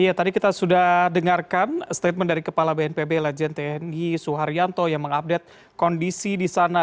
iya tadi kita sudah dengarkan statement dari kepala bnpb legend tni suharyanto yang mengupdate kondisi di sana